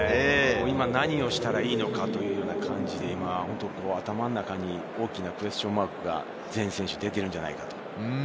今、何をしたらいいのかという感じで、頭の中に大きなクエスチョンマークが全選手、出ているのではないかと。